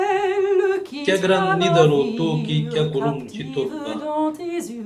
کیہ گرن نی درو تو کی کیہ کُرِم چِتوپ بہ